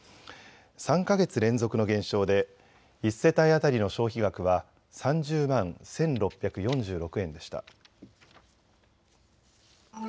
３か月連続の減少で１世帯当たりの消費額は３０万１６４６円でした。